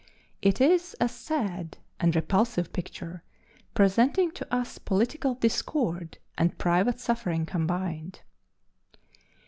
It is a sad and repulsive picture, presenting to us political discord and private suffering combined.